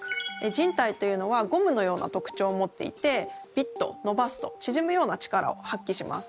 靱帯というのはゴムのような特徴を持っていてビッとのばすとちぢむような力を発揮します。